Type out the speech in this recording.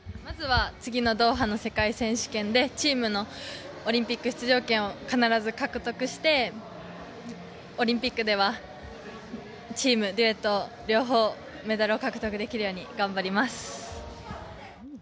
次のドーハの世界選手権でチームのオリンピック出場権を必ず獲得して、オリンピックではチーム、デュエット両方メダルを獲得できるように頑張ります。